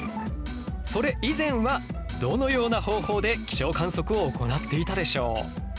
それ以前はどのような方法で気象観測を行っていたでしょう？